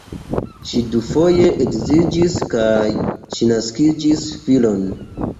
Ŝi dufoje edziniĝis kaj ŝi naskis filon.